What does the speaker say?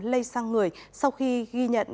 lây sang người sau khi ghi nhận